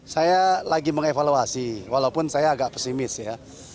saya lagi mengevaluasi walaupun saya agak pesimis ya